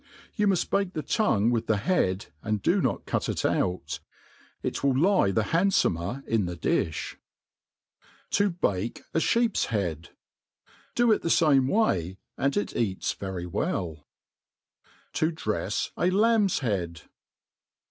You muft bake the tongue with the head, and do not cut it out. It will lie the handfomer in the difli. To bale a Sheep^s Head* it the fame way, and it eats very welh Do To drefs a LamVs Head.